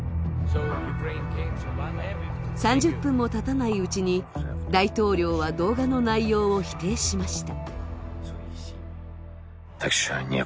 ３０分もたたないうちに大統領は動画の内容を否定しました。